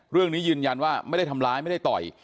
ยืนยันว่าไม่ได้ทำร้ายไม่ได้ต่อย